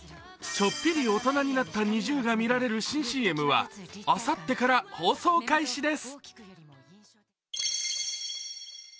ちょっぴり大人になったＮｉｚｉＵが見られる新ＣＭはあさってから放送開始です。